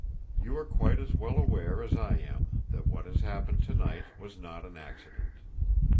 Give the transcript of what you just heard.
"You are quite as well aware as I am that what has happened to night was not an accident.